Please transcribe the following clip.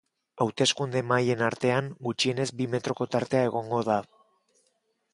Hauteskunde mahaien artean gutxienez bi metroko tartea egongo da.